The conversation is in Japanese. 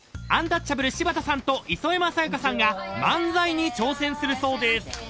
アンタッチャブル柴田さんと磯山さやかさんが漫才に挑戦するそうです］